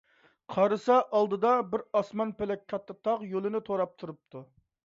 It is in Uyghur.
قارىسا، ئالدىدا بىر ئاسمان - پەلەك كاتتا تاغ يولىنى توراپ تۇرۇپتۇ.